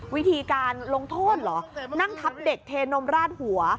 วิธีการลงโทษเหรอนั่งทับเด็กเทนมราดหัว